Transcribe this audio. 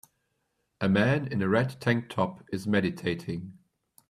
A man in a red tank top is meditating.